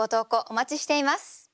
お待ちしています。